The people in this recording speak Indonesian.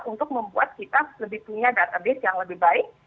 untuk membuat kita lebih punya database yang lebih baik